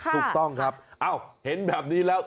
ถูกต้องครับเห็นแบบนี้แล้ว